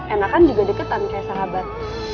enakan juga deketan kayak sahabat